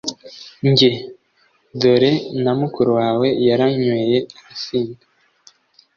njye: dore na mukuru wawe yaranyweye arasinda